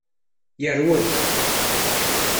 Yerwel.